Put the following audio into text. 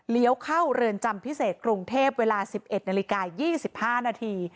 เข้าเรือนจำพิเศษกรุงเทพเวลา๑๑นาฬิกา๒๕นาที